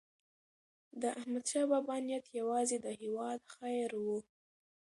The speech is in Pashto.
داحمدشاه بابا نیت یوازې د هیواد خیر و.